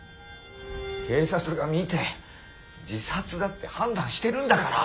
警察が見て自殺だって判断してるんだから。